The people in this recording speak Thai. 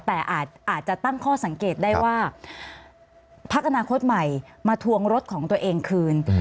แต่อาจจะตั้งข้อสังเกตได้ว่าพักอนาคตใหม่มาทวงรถของตัวเองคืน